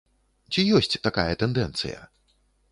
Ці ёсць такая тэндэнцыя?